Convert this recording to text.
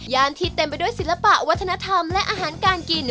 ที่เต็มไปด้วยศิลปะวัฒนธรรมและอาหารการกิน